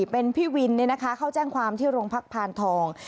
เป็นพี่วินเนี่ยนะคะเขาแจ้งความที่โรงพักษณ์พาลทอง